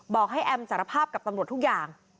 บอกให้แอมสารภาพกับตำรวจทุกอย่าง